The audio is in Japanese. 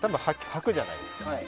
履くじゃないですか。